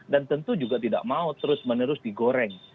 dan tentu juga tidak mau terus menerus digoreng